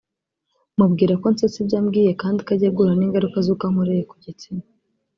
mubwira ko nsetse ibyo ambwiye kandi ko agiye guhura n’ingaruka z’uko ankoreye ku gitsina